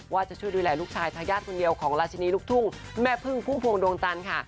ว่าจะช่วยดูแลลูกชายทะยาดคนเดียวของราชินีลุกทุ่งแม่พึ่งภูมิภูมิภูมิดวงตันค่ะ